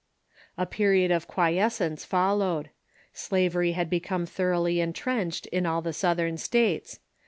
A period of quiescence followed. Slavery had become thoroughly intrenched in all the Southern States.